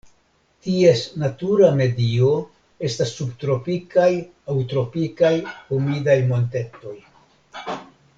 Ties natura medio estas subtropikaj aŭ tropikaj humidaj montetoj.